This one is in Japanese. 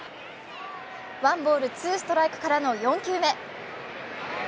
ワンボール・ツーストライクからの４球目。